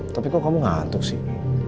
tapi kok kamu ngantuk sih